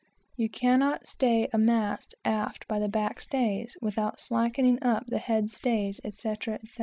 You cannot stay a mast aft by the back stays, without slacking up the head stays, etc.